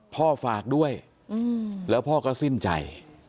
ฝากด้วยแล้วพ่อก็สิ้นใจ